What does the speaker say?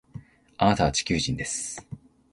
あなたは地球人です